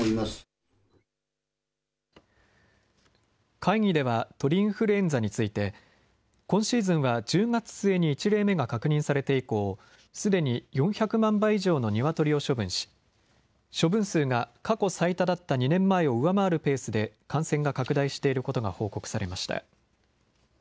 会議では、鳥インフルエンザについて、今シーズンは１０月末に１例目が確認されて以降、すでに４００万羽以上のニワトリを処分し、処分数が過去最多だった２年前を上回るペースで感染が拡大していることが報告されました。